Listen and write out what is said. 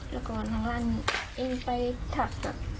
แล้วก็นั่งร้านเองไปทับ